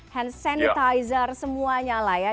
hand sanitizer semuanya lah ya